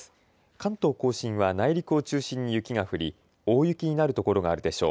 関東甲信は内陸を中心に雪が降り大雪になる所があるでしょう。